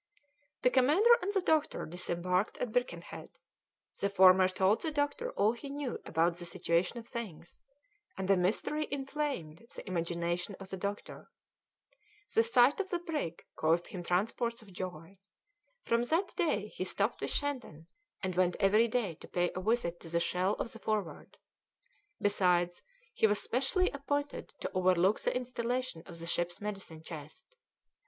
The commander and the doctor disembarked at Birkenhead; the former told the doctor all he knew about the situation of things, and the mystery inflamed the imagination of the doctor. The sight of the brig caused him transports of joy. From that day he stopped with Shandon, and went every day to pay a visit to the shell of the Forward. Besides, he was specially appointed to overlook the installation of the ship's medicine chest.